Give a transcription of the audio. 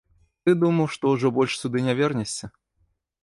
Ты думаў, што ўжо больш сюды не вернешся?